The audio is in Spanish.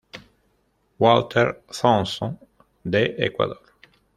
Walter Thompson de Ecuador.